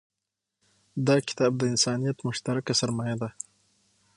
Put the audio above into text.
دا کتاب د انسانیت مشترکه سرمایه ده.